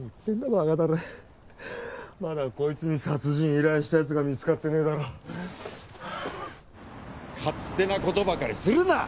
バカタレまだこいつに殺人依頼したやつが見つかってねえだろ勝手なことばかりするな！